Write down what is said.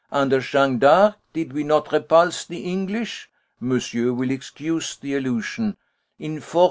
Under Jeanne d'Arc did we not repulse the English monsieur will excuse the allusion in 1429.